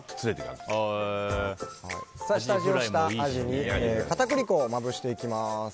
下味をつけたアジに片栗粉をまぶしていきます。